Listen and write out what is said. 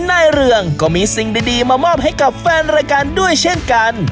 นายเรืองก็มีสิ่งดีมามอบให้กับแฟนรายการด้วยเช่นกัน